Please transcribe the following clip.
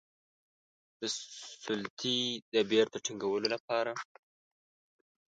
د سلطې د بیرته ټینګولو لپاره.